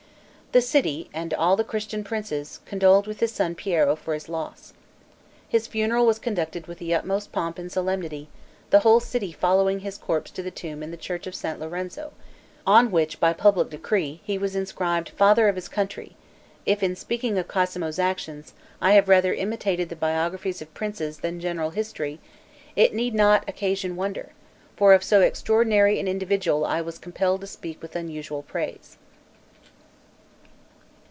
The city, and all the Christian princes, condoled with his son Piero for his loss. His funeral was conducted with the utmost pomp and solemnity, the whole city following his corpse to the tomb in the church of St. Lorenzo, on which, by public decree, he was inscribed, "FATHER OF HIS COUNTRY." If, in speaking of Cosmo's actions, I have rather imitated the biographies of princes than general history, it need not occasion wonder; for of so extraordinary an individual I was compelled to speak with unusual praise.